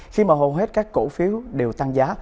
khi hầu hết các cổ phiếu đều tăng giá